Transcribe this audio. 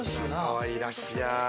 ◆かわいらしや。